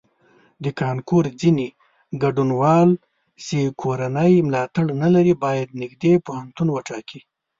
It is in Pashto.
د کانکور ځینې ګډونوال چې کورنی ملاتړ نه لري باید نږدې پوهنتون وټاکي.